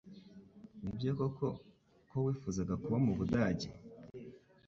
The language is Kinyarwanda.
Nibyo koko ko wifuzaga kuba mu Budage?